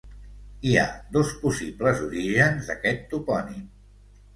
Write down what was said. Hi ha dos possibles orígens d'aquest topònim.